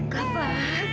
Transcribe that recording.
kami percaya sama kakak